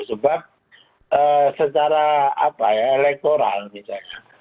sebab secara apa ya elektoral misalnya